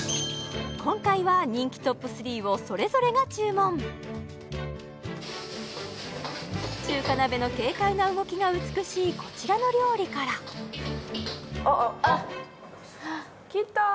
今回は人気トップ３をそれぞれが注文中華鍋の軽快な動きが美しいこちらの料理からきた